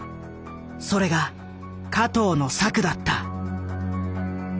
それが加藤の策だった。